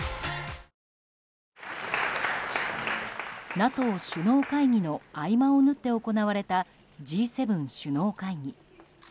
ＮＡＴＯ首脳会議の合間を縫って行われたＧ７首脳会議。